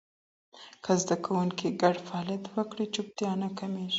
که زده کوونکي ګډ فعالیت وکړي، چوپتیا نه حاکمېږي.